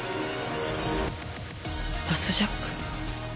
バスジャック。